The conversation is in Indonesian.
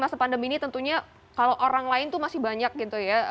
masa pandemi ini tentunya kalau orang lain tuh masih banyak gitu ya